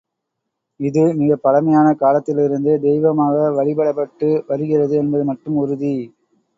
இதுமிகப் பழமையான காலத்திலிருந்து தெய்வமாக வழிபடப்பட்டு வருகிறது என்பது மட்டும் உறுதி.